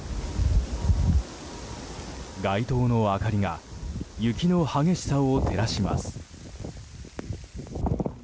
街灯の明かりが雪の激しさを照らします。